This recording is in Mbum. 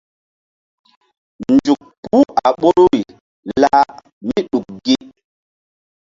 Nzuk puh a ɓoruri lah mí ɗuk gi.